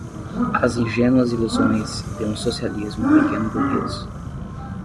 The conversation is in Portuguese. as ingênuas ilusões de um socialismo pequeno-burguês